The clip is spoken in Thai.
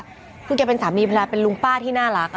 พี่เกียรติเป็นสามีพระเป็นลุงป้าที่น่ารักอะ